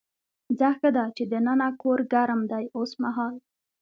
ځه ښه ده چې دننه کور ګرم دی اوسمهال.